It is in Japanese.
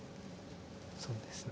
そうですね。